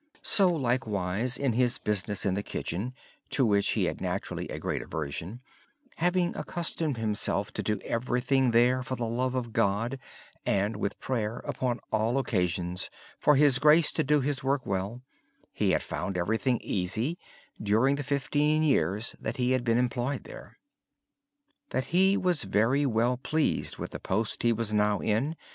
So, likewise, in his business in the kitchen (to which he had naturally a great aversion), having accustomed himself to do everything there for the love of God and asking for His grace to do his work well, he had found everything easy during the fifteen years that he had been employed there. He was very pleased with the post he was now in.